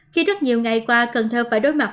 khi rất nhiều ngày qua cần thơ phải đối mặt